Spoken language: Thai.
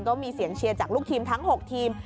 ก็มีเสียงเชียร์จากลูกทีมทั้ง๖ทีม